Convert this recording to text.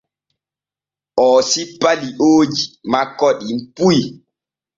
Oo sippa liooji makko ɗim puy.